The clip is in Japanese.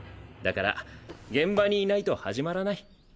だから現場にいないと始まらない。